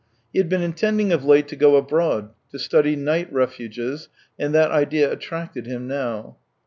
He had been intending of late to go abroad, to study night refuges, and that idea attracted him now.